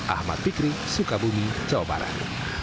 ahmad fikri sukabumi jawa barat